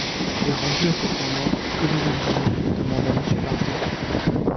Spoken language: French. Et rendus à ce point mort, que deviendrons-nous? demanda Michel Ardan.